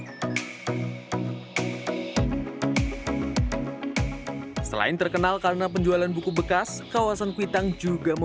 kawasan kuitang juga memiliki penjualan buku bekas dari kawasan kuitang dan juga pasar senen